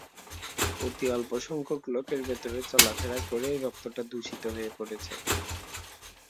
অতি অল্পসংখ্যক লোকের ভেতরে চলাফেরা করেই রক্তটা দূষিত হয়ে পড়েছে।